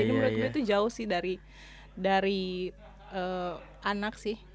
jadi menurut gue itu jauh sih dari anak sih